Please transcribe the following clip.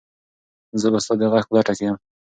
زه به ستا د غږ په لټه کې یم.